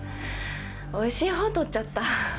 おいしい方取っちゃった。